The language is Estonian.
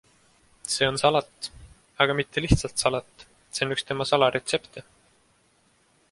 See on salat, aga mitte lihtsalt salat - see on üks tema salaretsepte.